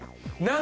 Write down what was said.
何？